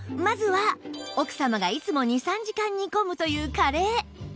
まずは奥様がいつも２３時間煮込むというカレー